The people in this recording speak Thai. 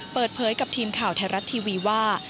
เปิดเผยกับทีมข่าวไทยรัฐทีวีว่า